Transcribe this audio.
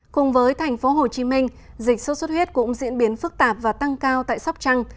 cùng với thành phố hồ chí minh dịch sốt xuất huyết cũng diễn biến phức tạp và tăng cao tại sóc trăng